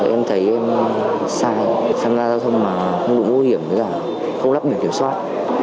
em thấy em sai tham gia giao thông mà không đổi mũ bảo hiểm không đáp biểu kiểu soát